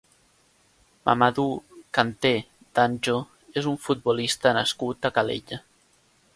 Mamadou Kanteh Danjo és un futbolista nascut a Calella.